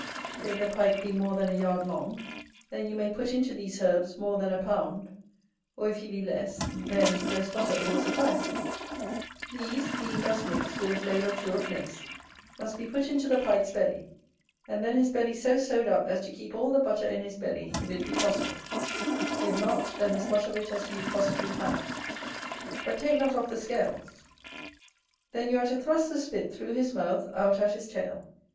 If the Pike be more than a yard long, then you may put into these herbs more than a pound, or if he be less, then less butter will suffice: These, being thus mixt, with a blade or two of mace, must be put into the Pike's belly; and then his belly so sewed up as to keep all the butter in his belly if it be possible; if not, then as much of it as you possibly can. But take not off the scales. Then you are to thrust the spit through his mouth, out at his tail.